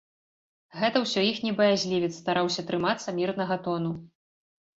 Гэта ўсё іхні баязлівец стараўся трымацца мірнага тону.